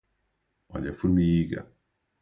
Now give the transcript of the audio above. Olhe a formiga